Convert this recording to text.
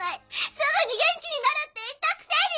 すぐに元気になるって言ったくせに！